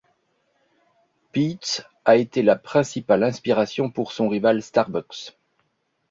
Peet's a été la principale inspiration pour son rival Starbucks.